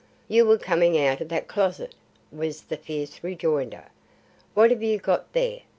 "You were coming out of that closet," was the fierce rejoinder. "What have you got there?